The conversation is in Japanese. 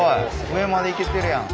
上まで行けてるやん。